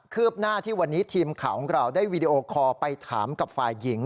ืบหน้าที่วันนี้ทีมข่าวของเราได้วีดีโอคอลไปถามกับฝ่ายหญิง